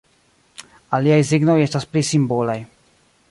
Aliaj signoj estas pli simbolaj.